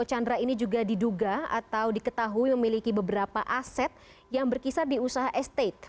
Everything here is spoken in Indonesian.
chandra ini juga diduga atau diketahui memiliki beberapa aset yang berkisar di usaha estate